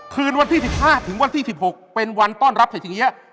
คืนวันที่๑๕๑๖เป็นวันต้อนรับชัยชิงเฮีย